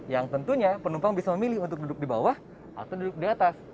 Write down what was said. yang tentunya penumpang bisa memilih untuk duduk di bawah atau duduk di atas